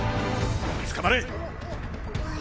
つかまれ。